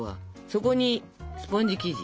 そこにスポンジ生地。